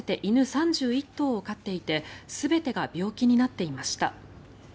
３１頭を飼っていて全てが病気になっていました。